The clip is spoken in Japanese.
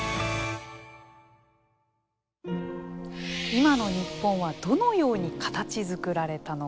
今の日本はどのように形づくられたのか。